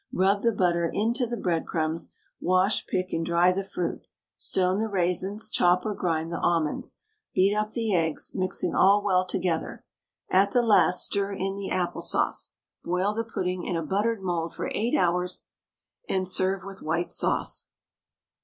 Rub the butter into the breadcrumbs, wash, pick, and dry the fruit, stone the raisins, chop or grind the almonds, beat up the eggs, mixing all well together, at the last stir in the apple sauce. Boil the pudding in a buttered mould for 8 hours, and serve with white sauce.